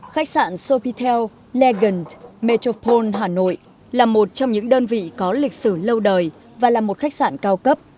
khách sạn sopitel legan metropole hà nội là một trong những đơn vị có lịch sử lâu đời và là một khách sạn cao cấp